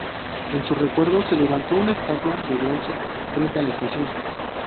En su recuerdo se levantó una estatua de bronce frente a la estación.